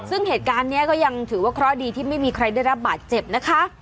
ซึ่งเหตุการณ์นี้ก็ยังถือว่าเคราะห์ดีที่ไม่มีใครได้รับบาดเจ็บนะคะ